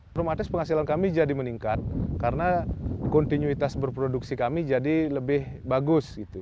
promatis penghasilan kami jadi meningkat karena kontinuitas berproduksi kami jadi lebih bagus